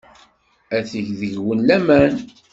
Ad teg deg-wen laman.